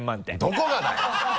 どこがだよ！